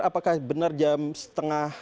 apakah benar jam setengah